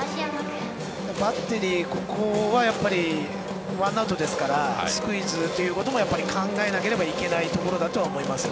バッテリーここはワンアウトですからスクイズということもやっぱり考えなければいけないところだと思います。